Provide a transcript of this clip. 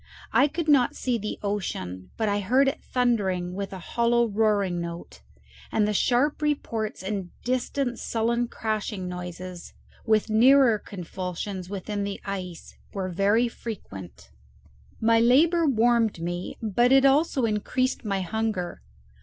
I could not see the ocean, but I heard it thundering with a hollow roaring note; and the sharp reports and distant sullen crashing noises, with nearer convulsions within the ice, were very frequent. My labour warmed me, but it also increased my hunger.